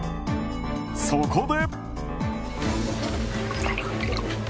そこで。